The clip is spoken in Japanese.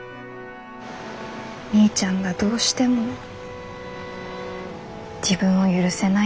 みーちゃんがどうしても自分を許せないなら。